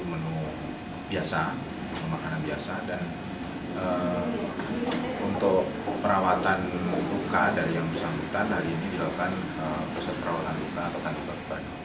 makan menu biasa dan untuk perawatan luka dari yang bersambutan hari ini dilakukan pusat perawatan luka atau kandungan